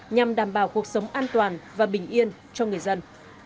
nhằm đảm bảo cuộc sống an toàn và bình yên cho người dân